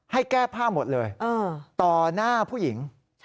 ให้แก้ผ้าหมดเลยต่อหน้าผู้หญิง